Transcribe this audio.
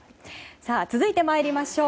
続いて参りましょう。